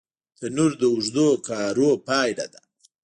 تنور د اوږدو کارونو پایله ده